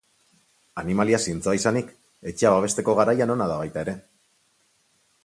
Animalia zintzoa izanik, etxea babesteko garaian ona da baita ere.